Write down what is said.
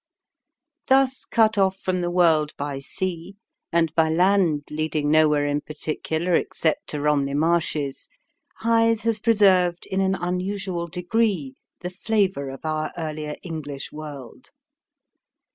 Thus cut off from the world by sea, and by land leading nowhere in particular except to Romney Marshes, Hythe has preserved in an unusual degree the flavour of our earlier English world.